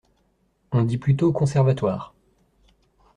On dit plutôt "Conservatoire".